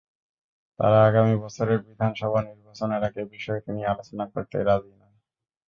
তারা আগামী বছরের বিধানসভা নির্বাচনের আগে বিষয়টি নিয়ে আলোচনা করতেই রাজি নয়।